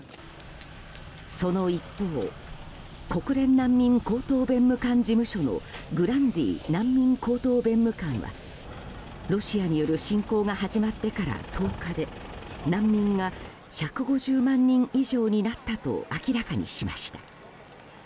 その一方国連難民高等弁務官事務所のグランディ難民高等弁務官はロシアによる侵攻が始まってから１０日で難民が１５０万人以上になったと明らかにしました。